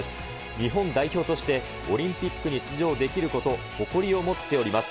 日本代表としてオリンピックに出場できること、誇りを持っております。